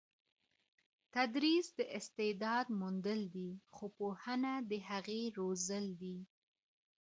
تدریس د استعداد موندل دي خو پوهنه د هغې روزل دي.